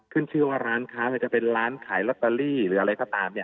ขึ้นชื่อว่าร้านค้าไม่ว่าจะเป็นร้านขายลอตเตอรี่หรืออะไรก็ตามเนี่ย